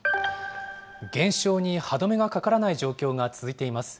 減少に歯止めがかからない状況が続いています。